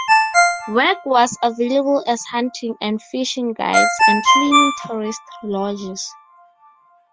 Work was available as hunting and fishing guides and cleaning tourist lodges.